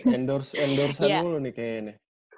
endorse endorser dulu nih kayaknya